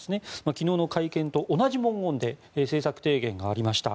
昨日の会見と同じ文言で政策提言がありました。